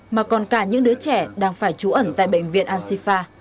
mà còn cả những đứa trẻ đang phải trú ẩn tại bệnh viện al sifa